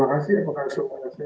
baik terima kasih